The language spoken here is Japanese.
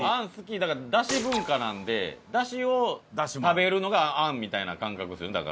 だから出汁文化なんで出汁を食べるのがあんみたいな感覚ですよねだから。